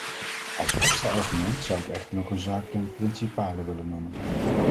Als extra argument zou ik echter nog een zaak ten principale willen noemen.